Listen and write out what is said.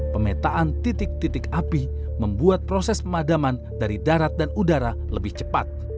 pemetaan titik titik api membuat proses pemadaman dari darat dan udara lebih cepat